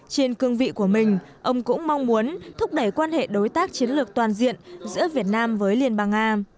trên cương vị của mình ông cũng mong muốn thúc đẩy quan hệ đối tác chiến lược toàn diện giữa việt nam với liên bang nga